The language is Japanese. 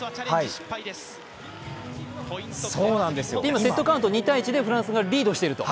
今、セットカウント２−１でフランスがリードしていると。